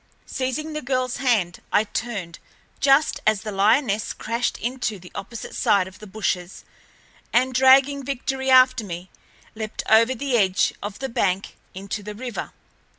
Seizing the girl's hand, I turned, just as the lioness crashed into the opposite side of the bushes, and, dragging Victory after me, leaped over the edge of the bank into the river.